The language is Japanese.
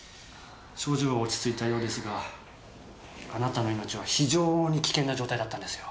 症状は落ち着いたようですがあなたの命は非常に危険な状態だったんですよ。